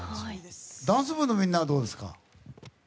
ダンス部のみんなはどうですか？